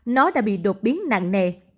nó đã bị đột biến nặng nề